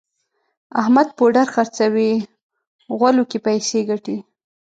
احمد پوډر خرڅوي غولو کې پیسې ګټي.